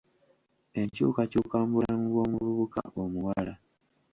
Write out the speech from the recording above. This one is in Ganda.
Enkyukakyuka mu bulamu bw'omuvubuka omuwala.